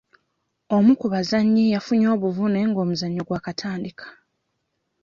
Omu ku bazannyi yafunye obuvune ng'omuzannyo gwakatandika.